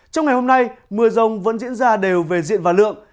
trong ngày hôm nay mưa rông vẫn diễn ra đều về diện và lượng